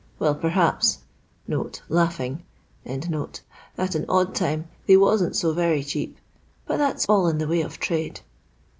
Well, perhaps at an odd time they wasn't so very cheap, but that 's all in the way of trade.